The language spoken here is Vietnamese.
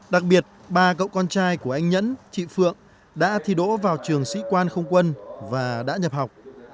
đặc biệt ba cậu con trai của anh nhẫn chị phượng đã thi đỗ vào trường sĩ quan không quân và đã nhập học